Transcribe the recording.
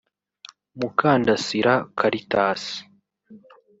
Mukandasira Caritas